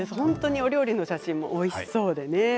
お料理の写真もおいしそうなんです。